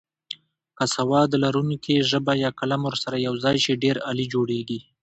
که سواد لرونکې ژبه یا قلم ورسره یوځای شي ډېر عالي جوړیږي.